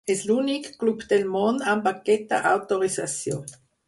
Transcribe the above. És l'únic club del món amb aquesta autorització.